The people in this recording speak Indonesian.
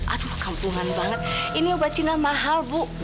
aduh kampungan banget ini obat cina mahal bu